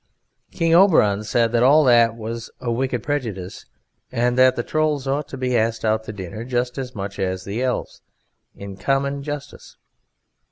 King Oberon said that all that was a wicked prejudice, and that the Trolls ought to be asked out to dinner just as much as the Elves, in common justice.